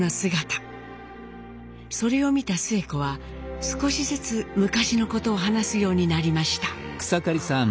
それを見たスエ子は少しずつ昔のことを話すようになりました。